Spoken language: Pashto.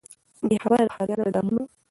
بې خبره د ښاریانو له دامونو